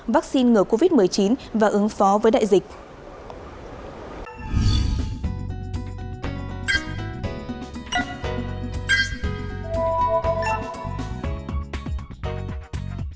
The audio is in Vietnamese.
vaccine ngừa covid một mươi chín và ứng phó với đại dịch